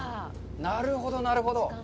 なるほど、なるほど。